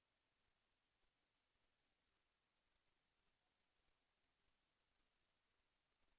แสวได้ไงของเราก็เชียนนักอยู่ค่ะเป็นผู้ร่วมงานที่ดีมาก